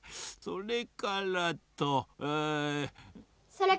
それから？